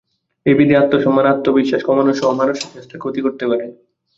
এই ব্যাধি আত্মসম্মান, আত্মবিশ্বাস কমানোসহ মানসিক স্বাস্থ্যের ক্ষতি করতে পারে।